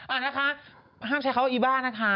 นะคะห้ามใช้คำว่าอีบ้านะคะ